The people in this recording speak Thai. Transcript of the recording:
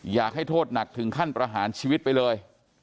อยากให้โทษหนักถึงขั้นประหารชีวิตไปเลย